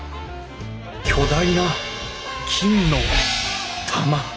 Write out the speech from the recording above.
巨大な金の玉。